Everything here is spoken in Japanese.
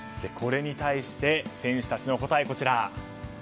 これに対して選手たちの答えがこちら。